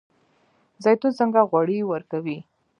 زیتون څنګه غوړي ورکوي؟